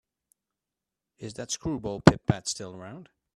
Is that screwball Pit-Pat still around?